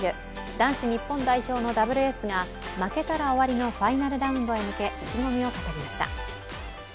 男子日本代表のダブルエースが負けたら終わりのファイナルラウンドへ向け意気込みを語りました。